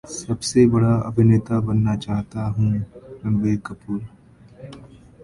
सबसे बड़ा अभिनेता बनना चाहता हूं: रणबीर कपूर